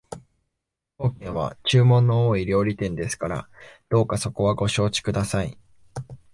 当軒は注文の多い料理店ですからどうかそこはご承知ください